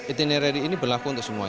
intineri ini berlaku untuk semua